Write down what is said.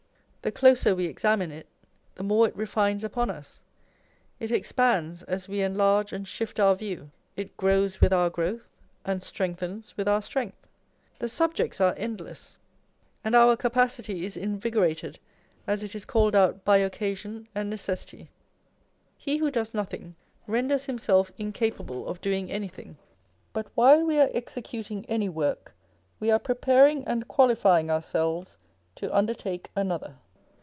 The closer we examine it, the more it refines upon us ; it expands as we enlarge and shift our view ; it " grows with our growth, and strengthens with our strength." The subjects are endless ; and our capacity 80 On Application to Study. is invigorated as it is called out by occasion and neces sity. He who does nothing, renders himself incapable of doing anything ; but while we are executing any work, we are prej3aring and qualifying ourselves to undertake another.